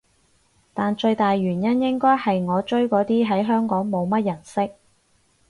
但最大原因應該係我追嗰啲喺香港冇乜人識